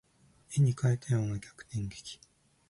絵に描いたような逆転劇